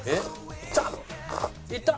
いった！